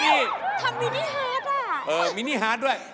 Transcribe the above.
ทำมินิฮาร์ดล่ะ